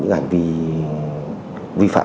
những hành vi vi phạm